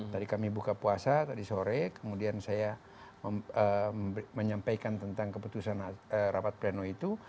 tadi kami buka puasa tadi sore kemudian saya menyampaikan tentang keputusan rapat pleno itu